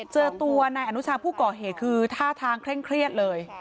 เจอตัวนายอนุชาผู้ก่อเหตุคือท่าทางเคร่งเครียดเลย